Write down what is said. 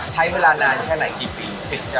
ใช้เวลานานแค่ไหนกี่ปี